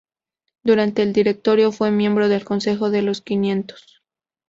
Durante el Directorio fue miembro del Consejo de los Quinientos.